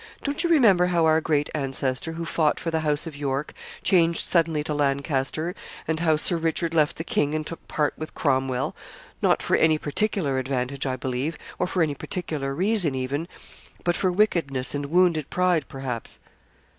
Don't you remember how our great ancestor, who fought for the House of York, changed suddenly to Lancaster, and how Sir Richard left the King and took part with Cromwell, not for any particular advantage, I believe, or for any particular reason even, but for wickedness and wounded pride, perhaps.'